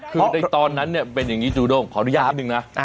คือในตอนนั้นเนี่ยเป็นอย่างนี้จูด้งขออนุญาตนิดนึงนะ